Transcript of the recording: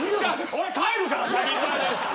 俺、帰るから。